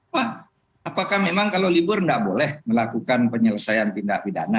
pak apakah memang kalau libur tidak boleh melakukan penyelesaian tindak pidana